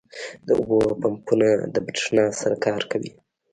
• د اوبو پمپونه د برېښنا سره کار کوي.